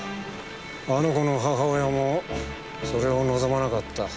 あの子の母親もそれを望まなかった。